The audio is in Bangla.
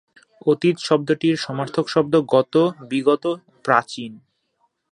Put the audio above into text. অতীত শব্দটির সমার্থক শব্দ গত, বিগত, প্রাচীন।